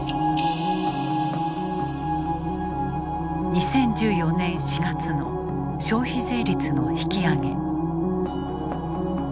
２０１４年４月の消費税率の引き上げ。